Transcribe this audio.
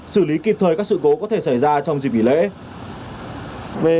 xử lý kịp thời các sự cố có thể xảy ra trong dịp nghỉ lễ